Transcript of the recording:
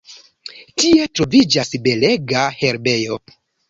Tie troviĝas belega herbejo.